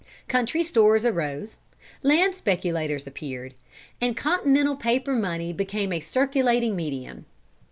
Country stores arose, land speculators appeared, and continental paper money became a circulating medium.